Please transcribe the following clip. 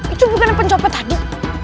itu bukan pencopet tadi